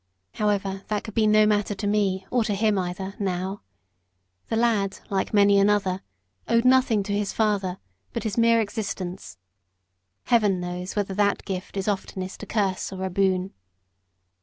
However, that could be no matter to me, or to him either, now. The lad, like many another, owed nothing to his father but his mere existence Heaven knows whether that gift is oftenest a curse or a boon.